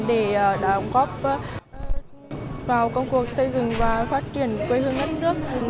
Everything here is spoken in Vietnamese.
và đã ủng hộ vào công cuộc xây dựng và phát triển quê hương đất nước